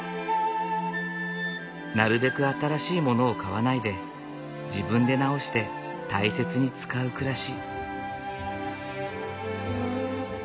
なるべく新しいものを買わないで自分で直して大切に使う暮らし。